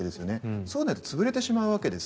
そうでないと潰れてしまうわけです。